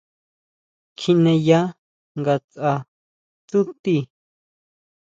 Kjineya ngatsʼa tsúti.